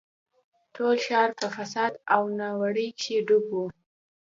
ټول ښار په فساد او نارواوو کښې ډوب و.